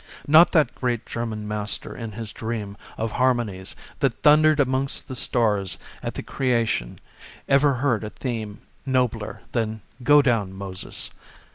Not that great German master in his dream Of harmonies that thundered amongst the stars At the creation, ever heard a theme Nobler than "Go down, Moses."